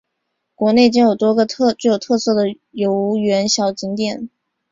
园内建有多个具有特色的游园小景点。